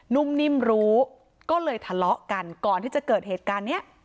นุ่มนิ่มรู้ก็เลยทะเลาะกันก่อนที่จะเกิดเหตุการณ์เนี้ย